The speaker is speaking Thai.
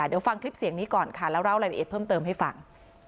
เดี๋ยวฟังคลิปเสียงนี้ก่อนค่ะแล้วเล่ารายละเอียดเพิ่มเติมให้ฟัง